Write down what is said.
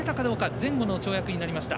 前後の跳躍になりました。